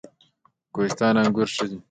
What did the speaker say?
کوهستان انګور ښه دي؟